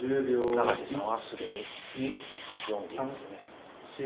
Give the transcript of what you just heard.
永瀬さんはすでに読んでいますね。